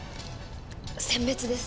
餞別です。